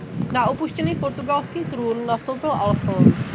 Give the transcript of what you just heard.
Na opuštěný portugalský trůn nastoupil Alfons.